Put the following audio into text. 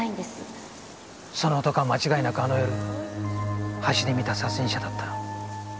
その男は間違いなくあの夜橋で見た殺人者だった。